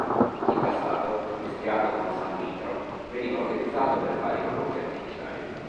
In passato, mischiato con salnitro veniva utilizzato per fare i fuochi artificiali.